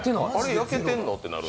焼けてんの？ってなる。